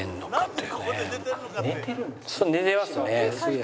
そう寝てますね。